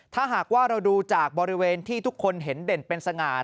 ถ้าหากว่าเราดูจากบริเวณที่ทุกคนเห็นเด่นเป็นสง่าน